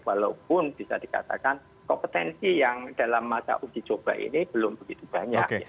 walaupun bisa dikatakan kompetensi yang dalam masa uji coba ini belum begitu banyak